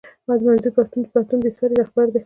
منظور پښتون د پښتنو بې ساری رهبر دی